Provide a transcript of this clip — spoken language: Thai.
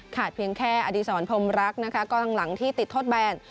เพียงแค่อดีศรพรมรักนะคะก็ทางหลังที่ติดโทษแบน